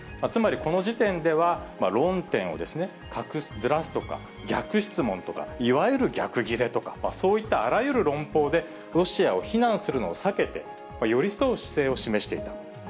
つまりこの時点では、論点をずらすとか、逆質問とか、いわゆる逆ギレとか、そういったあらゆる論法で、ロシアを非難するのを避けて、寄り添う姿勢を示していた。